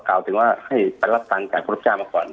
กล่าวถึงว่าให้ไปรับตังค์จากผู้รับจ้างมาก่อน